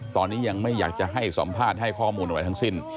ตอนนี้ยังไม่อยากจะให้สัมภาษณ์ให้ข้อมูลอะไรทั้งสิ้น